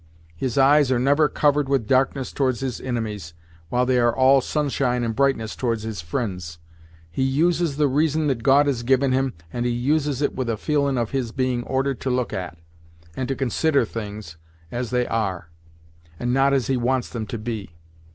His eyes are never covered with darkness towards his inimies, while they are all sunshine and brightness towards his fri'nds. He uses the reason that God has given him, and he uses it with a feelin' of his being ordered to look at, and to consider things as they are, and not as he wants them to be.